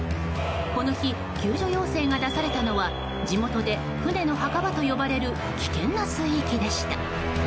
この日、救助要請が出されたのは地元で船の墓場と呼ばれる危険な水域でした。